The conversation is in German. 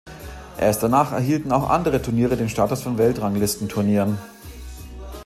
Erst danach erhielten auch andere Turniere den Status von Weltranglistenturnieren.